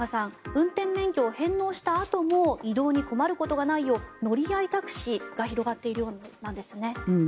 運転免許を返納したあとも移動に困ることがないよう乗合タクシーが広がっているようなんですね。